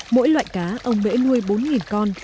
mỗi loại cá ông mễ nuôi bốn con